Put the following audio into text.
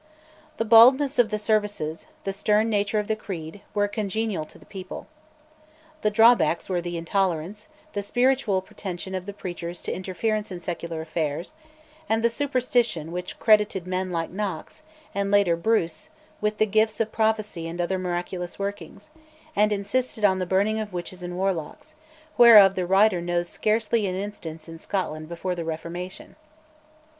The baldness of the services, the stern nature of the creed, were congenial to the people. The drawbacks were the intolerance, the spiritual pretensions of the preachers to interference in secular affairs, and the superstition which credited men like Knox, and later, Bruce, with the gifts of prophecy and other miraculous workings, and insisted on the burning of witches and warlocks, whereof the writer knows scarcely an instance in Scotland before the Reformation.